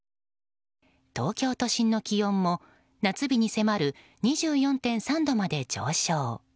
東京都心の気温も夏日に迫る２４．３度まで上昇。